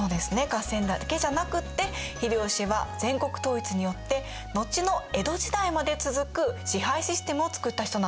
合戦だけじゃなくって秀吉は全国統一によって後の江戸時代まで続く支配システムを作った人なんです。